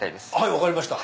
分かりました。